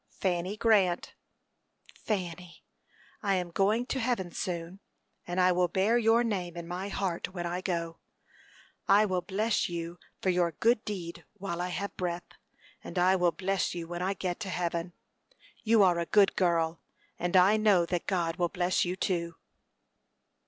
"Fanny Grant." "Fanny, I am going to heaven soon, and I will bear your name in my heart when I go. I will bless you for your good deed while I have breath, and I will bless you when I get to heaven. You are a good girl, and I know that God will bless you too."